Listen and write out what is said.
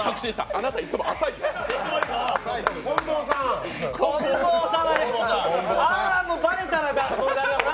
あなた、いつも浅いのよ。